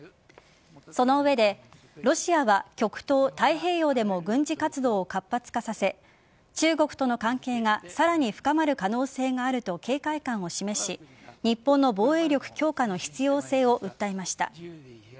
その上で、ロシアは極東・太平洋でも軍事活動を活発化させ中国との関係がさらに深まる可能性があると警戒感を示し日本の防衛力強化の必要性を訴えました。